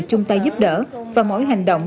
chung tay giúp đỡ và mỗi hành động